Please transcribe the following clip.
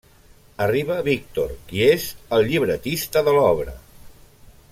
Arriba Víctor, qui és el llibretista de l'obra.